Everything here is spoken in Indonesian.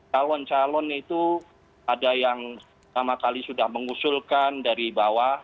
calon calon itu ada yang sama kali sudah mengusulkan dari bawah